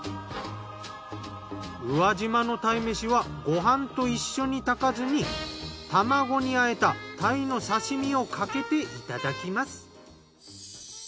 宇和島の鯛めしはご飯と一緒に炊かずに卵に和えた鯛の刺身をかけていただきます。